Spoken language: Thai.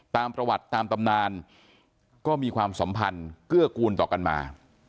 ตามประวัติตามตำนานก็มีความสัมพันธ์เกื้อกูลต่อกันมา